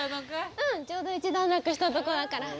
うんちょうど一段落したとこだから。